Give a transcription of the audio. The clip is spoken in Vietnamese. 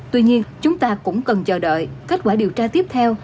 tuy nhiên chúng ta cũng cần chờ đợi kết quả điều tra tiếp theo